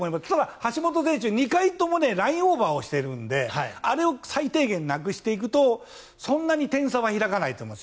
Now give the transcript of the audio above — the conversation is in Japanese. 橋本選手、２回ともラインオーバーしているのであれを最低限なくしていくとそんなに点差は開かないと思います。